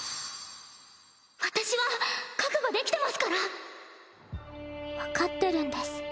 私は覚悟できてますから分かってるんです。